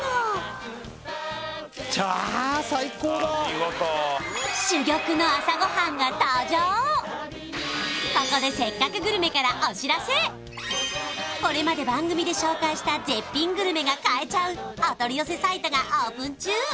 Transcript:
きっとのここで「せっかくグルメ！！」からお知らせこれまで番組で紹介した絶品グルメが買えちゃうお取り寄せサイトがオープン中！